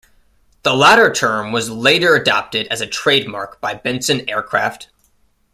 The latter term was later adopted as a trademark by Bensen Aircraft.